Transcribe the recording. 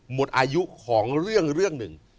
หมดอายุของเรื่องหนึ่ง